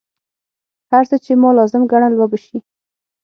هر څه چې ما لازم ګڼل وبه شي.